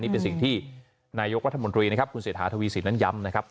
นี่เป็นสิ่งที่นายกวัฒนบุรีนะครับคุณเสถาธวีศิลป์นั้นย้ำนะครับ